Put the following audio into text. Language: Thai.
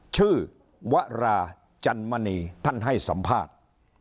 ชื่อวราจันมณีท่านให้สัมภาษณ์